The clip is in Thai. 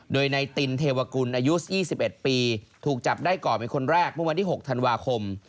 โดยในตินเทวกุลอายุ๒๑ปีถูกจับได้ก่อนเป็นคนแรกเมื่อวันที่๖ธันวาคม